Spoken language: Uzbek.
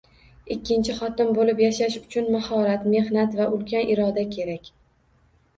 Ikkinchi xotin bo'lib yashash uchun mahorat, mehnat va ulkan iroda kerak